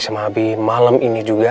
sama habib malam ini juga